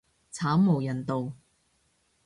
慘無人道